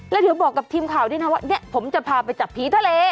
แล้วเดี๋ยวบอกกับทีมข่าวด้วยนะว่าเนี่ยผมจะพาไปจับผีทะเล